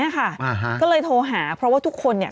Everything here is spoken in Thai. ก็เลยโทรหาเพราะว่าทุกคนเนี่ย